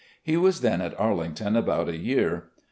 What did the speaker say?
He was then at Arlington about a year.